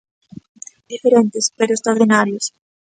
Diferentes, pero extraordinarios.